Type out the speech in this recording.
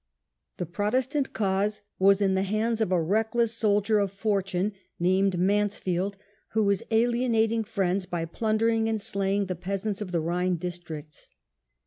The Protes tant cause was in the hands of a reckless soldier of fortune named Mansfield, who was alienating friends Failure in the by plundering and slaying the peasants of Palatinate, the Rhine districts.